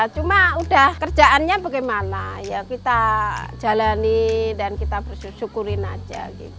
cuma udah kerjaannya bagaimana ya kita jalani dan kita bersyukurin aja